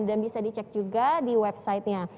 dan bisa dicek juga di websitenya